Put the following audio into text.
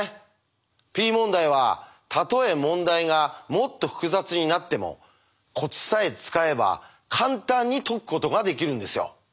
Ｐ問題はたとえ問題がもっと複雑になってもコツさえ使えば簡単に解くことができるんですよ。